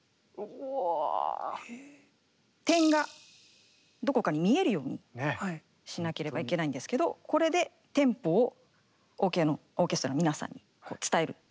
点がどこかに見えるようにしなければいけないんですけどこれでテンポをオーケストラの皆さんに伝えるという。